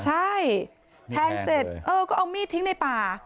ใช่แทงเสร็จเออก็เอามีดทิ้งในป่า